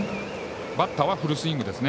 バッターはフルスイングです。